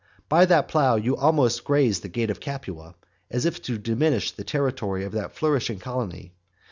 And by that plough you almost grazed the gate of Capua, so as to diminish the territory of that flourishing colony.